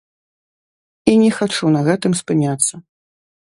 І не хачу на гэтым спыняцца.